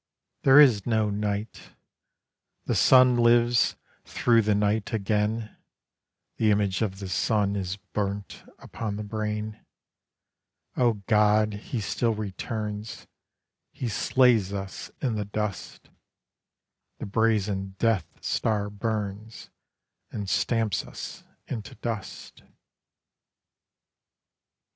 There is no night; the Sun Lives thro' the night again; The image of the Sun Is burnt upon the brain. O God! he still returns; He slays us in the dust; The brazen Death Star burns And stamps us into dust.